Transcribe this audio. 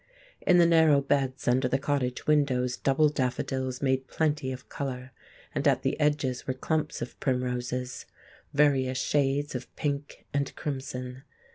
In the narrow beds under the cottage windows double daffodils made plenty of colour, and at the edge were clumps of primroses—various shades of pink and crimson.